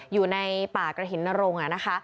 อยู่ในป่ากระหินณรงข์